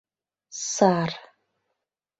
Сар.